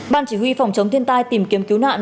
ban chỉ huy phòng chống thiên tai tìm kiếm cứu nạn